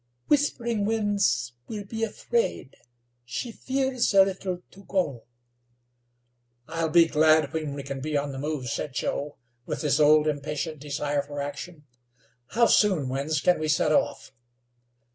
"Whispering Winds will be afraid; she fears a little to go." "I'll be glad when we can be on the move," said Joe, with his old impatient desire for action. "How soon, Winds, can we set off?"